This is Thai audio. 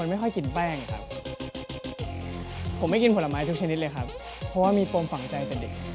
หมายความว่าตรงแล้วยูดีก็ตรงเฉยเลย